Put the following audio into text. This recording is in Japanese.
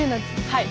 はい。